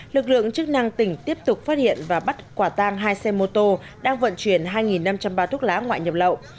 lực lượng chức năng tỉnh tiếp tục phát hiện và bắt quả tang hai xe mô tô đang vận chuyển hai năm trăm linh bao thuốc lá ngoại nhập lậu